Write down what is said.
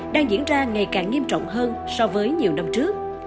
đang diễn ra ngày càng nghiêm trọng hơn so với nhiều năm trước